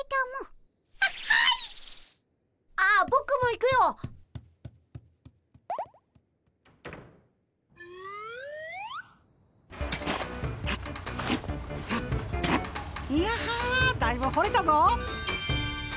いやはだいぶほれたぞ。